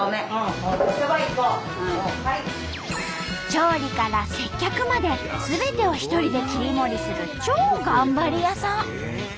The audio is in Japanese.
調理から接客まですべてを一人で切り盛りする超頑張り屋さん！